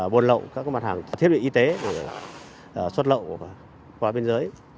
buôn lậu các mặt hàng thiết bị y tế để xuất lậu qua biên giới